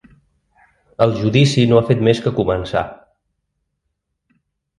El judici no ha fet més que començar.